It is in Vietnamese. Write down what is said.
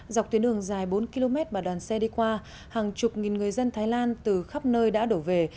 dọc tuyến đường dài bốn km mà đoàn xe đi qua hàng chục nghìn người dân thái lan từ khắp nơi đã đổ về